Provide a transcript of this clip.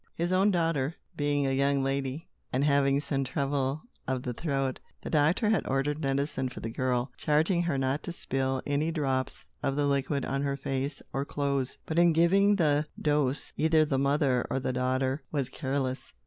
His own daughter, being a young lady and having some trouble of the throat, the doctor had ordered medicine for the girl, charging her not to spill any drops of the liquid on her face, or clothes. But, in giving the dose, either the mother, or the daughter, was careless.